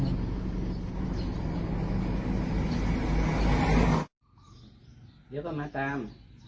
เดี๋ยวก็มาตาม